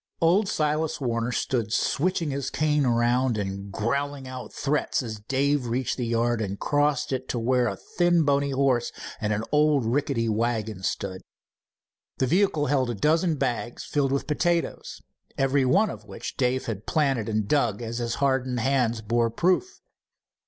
Old Silas Warner stood switching his cane around and growling out threats, as Dave reached the yard and crossed it to where a thin bony horse and an old rickety wagon stood. The vehicle held a dozen bags filled with potatoes, every one of which Dave had planted and dug as his hardened hands bore proof.